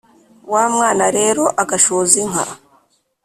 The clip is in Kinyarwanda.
wá mwána rero ágashoza inká